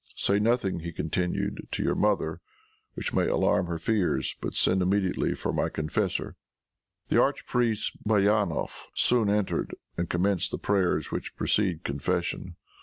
"Say nothing," he continued, "to your mother which may alarm her fears; but send immediately for my confessor." The archpriest Bajanof soon entered, and commenced the prayers which precede confession.